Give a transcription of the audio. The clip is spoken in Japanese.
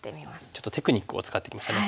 ちょっとテクニックを使ってきましたね。